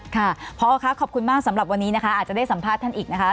ค่ะพอค่ะขอบคุณมากสำหรับวันนี้นะคะอาจจะได้สัมภาษณ์ท่านอีกนะคะ